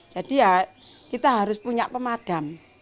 jadi ya kita harus punya pemadam